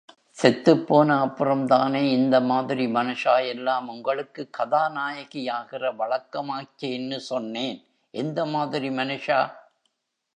செத்துப்போன அப்புறம்தானே இந்த மாதிரி மனுஷா எல்லாம் உங்களுக்கு கதாநாயகி ஆகிற வழக்கமாகச்சேன்னு சொன்னேன்... எந்த மாதிரி மனுஷா?